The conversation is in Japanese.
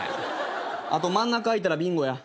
あと真ん中開いたらビンゴや。